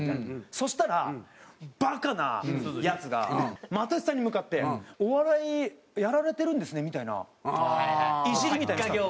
そしたら、バカなヤツが又吉さんに向かって「お笑いやられてるんですね」みたいな、イジリみたいのを。